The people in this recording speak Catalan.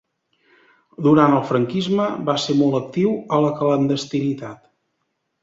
Durant el franquisme va ser molt actiu a la clandestinitat.